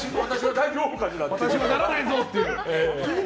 私はならないぞ！という。